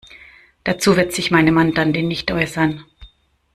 Dazu wird sich meine Mandantin nicht äußern.